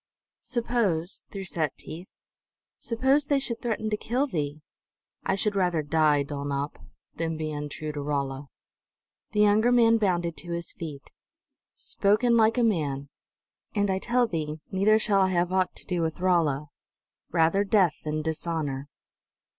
"Suppose," through set teeth, "suppose They should threaten to kill thee?" "I should rather die, Dulnop, than be untrue to Rolla!" The younger man bounded to his feet. "Spoken like a man! And I tell thee, neither shall I have aught to do with Rolla! Rather death than dishonor!"